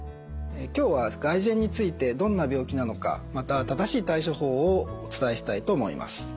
今日は外耳炎についてどんな病気なのかまた正しい対処法をお伝えしたいと思います。